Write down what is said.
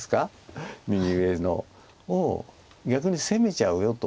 右上のを逆に攻めちゃうよと。